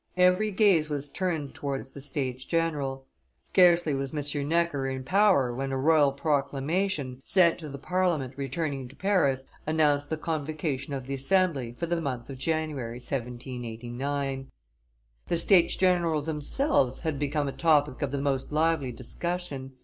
Every gaze was turned towards the States general. Scarcely was M. Necker in power, when a royal proclamation, sent to the Parliament returning to Paris, announced the convocation of the Assembly for the month of January, 1789. The States general themselves had become a topic of the most lively discussion.